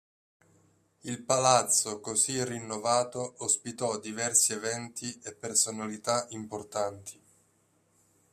Il palazzo così rinnovato ospitò diversi eventi e personalità importanti.